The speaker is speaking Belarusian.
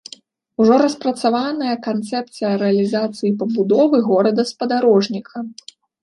Ужо распрацаваная канцэпцыя рэалізацыі пабудовы горада-спадарожніка.